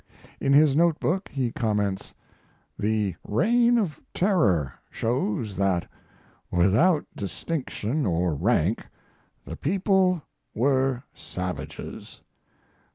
In his note book he comments: "The Reign of Terror shows that, without distinction or rank, the people were savages.